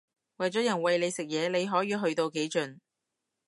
為咗人餵你食嘢你可以去到幾盡